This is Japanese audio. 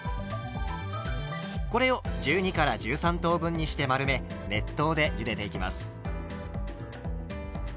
これを１２１３等分にして丸め熱湯でゆでていきます。